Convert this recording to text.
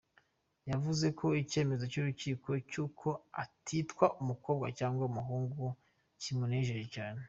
Yavuze ko icyemezo cy’urukiko cy’uko atitwa umukobwa cyangwa umuhungu kimunejeje cyane.